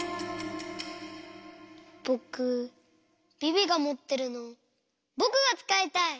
ぼくビビがもってるのぼくがつかいたい！